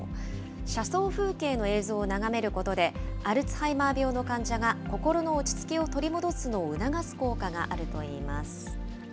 車窓風景の映像を眺めることで、アルツハイマー病の患者が心の落ち着きを取り戻すのを促す効果があるといいます。